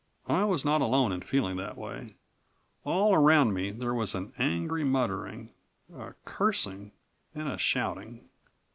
I was not alone in feeling that way. All around me there was an angry muttering, a cursing and a shouting.